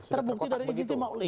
terbukti dari ijtima'ul iyah